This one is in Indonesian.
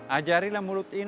ajarilah mulut ini